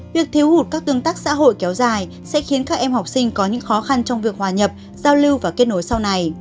việc thiếu hụt các tương tác xã hội kéo dài sẽ khiến các em học sinh có những khó khăn trong việc hòa nhập giao lưu và kết nối sau này